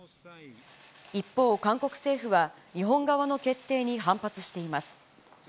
一方、韓国政府は日本側の決定に反発しています。